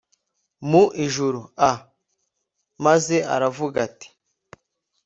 mu ijuru a maze aravuga ati